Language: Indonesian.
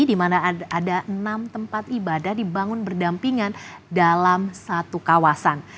di mana ada enam tempat ibadah dibangun berdampingan dalam satu kawasan